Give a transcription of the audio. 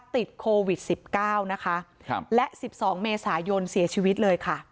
ติดโควิดสิบเก้านะคะครับและสิบสองเมษายนเสียชีวิตเลยค่ะ